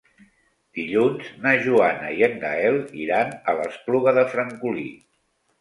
Dilluns na Joana i en Gaël iran a l'Espluga de Francolí.